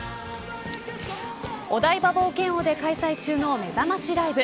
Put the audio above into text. お台場冒険王で開催中のめざましライブ